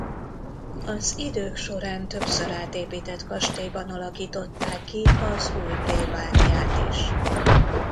Az idők során többször átépített kastélyban alakították ki az új plébániát is.